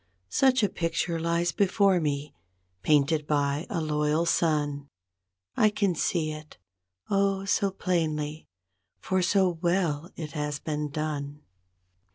Such a picture lies before me, painted by a loyal son; I can see it. Oh, so plainly, for so well it has been done.